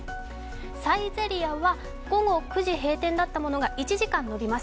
サイゼリヤは午後９時閉店だったものが１時間延びます。